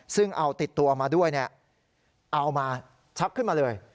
ซึ่งเอาติดตัวมาด้วยเอามาชักขึ้นมาเลย